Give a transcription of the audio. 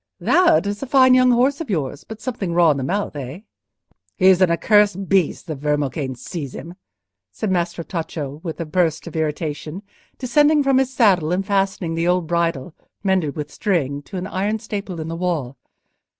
"That is a fine young horse of yours, but something raw in the mouth, eh?" "He is an accursed beast, the vermocane seize him!" said Maestro Tacco, with a burst of irritation, descending from his saddle and fastening the old bridle, mended with string, to an iron staple in the wall.